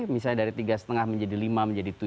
misalnya dari tiga lima menjadi lima menjadi tujuh